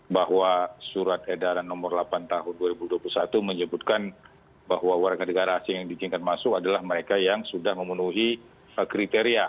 bahwa surat edaran nomor delapan tahun dua ribu dua puluh satu menyebutkan bahwa warga negara asing yang diizinkan masuk adalah mereka yang sudah memenuhi kriteria